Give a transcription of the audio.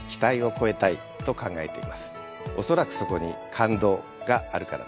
おそらくそこに感動があるからです。